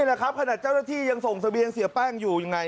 แหละครับขนาดเจ้าหน้าที่ยังส่งเสบียงเสียแป้งอยู่ยังไง